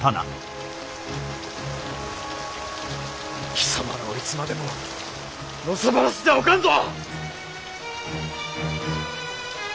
貴様らをいつまでものさばらせてはおかんぞ！